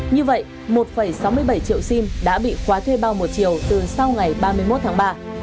như vậy một sáu mươi bảy triệu sim đã bị khóa thuê bao một chiều từ sau ngày ba mươi một tháng ba